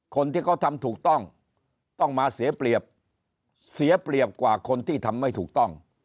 คนที่เขาทำถูกต้องต้องมาเสียเปรียบเสียเปรียบกว่าคนที่ทำไม่ถูกต้อง